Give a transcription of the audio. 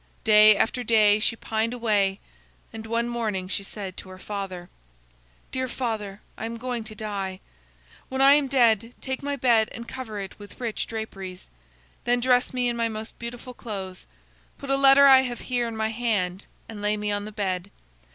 Day after day she pined away, and one morning she said to her father: "Dear father, I am going to die. When I am dead, take my bed and cover it with rich draperies. Then dress me in my most beautiful clothes; put a letter I have here in my hand, and lay me on the bed.